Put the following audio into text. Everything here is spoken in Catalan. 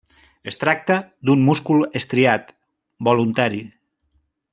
Es tracta d'un múscul estriat, voluntari.